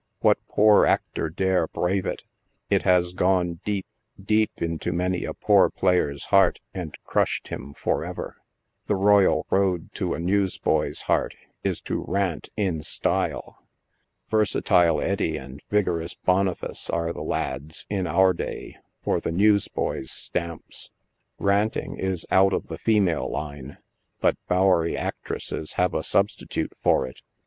What poor actor dare brave it ? It has gone deep, deep into many a poor player's heart and crushed him forever. The royal road to a news boy's heart is to rant in style. Versatile Eddy and vigorous Boniface are the lads, in our day, for the news boy's stamps. Ranting is out of* the female line, but Bowery actresses have a substitute for it.